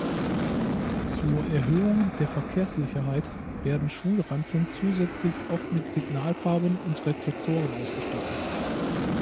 Zur Erhöhung der Verkehrssicherheit werden Schulranzen zusätzlich oft mit Signalfarben und Reflektoren ausgestattet.